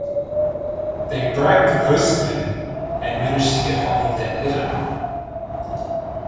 They bribe the postman and manage to get hold of that letter.